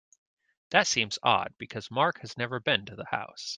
That seems odd because Mark has never been to the house.